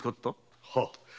はっ。